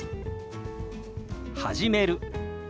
「始める」。